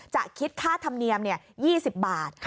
จะคิดค่าธรรมเนียม๒๐บาท